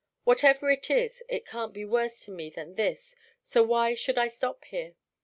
Whatever it is, it can't be worse to me than this, so why should I stop here?"